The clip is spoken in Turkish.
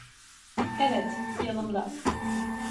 Evet, yanımda.